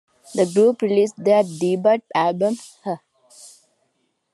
The group released their debut album Huh!?